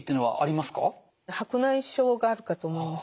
白内障があるかと思います。